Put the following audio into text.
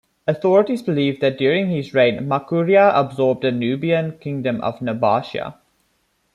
Authorities believe that during his reign Makuria absorbed the Nubian kingdom of Nobatia.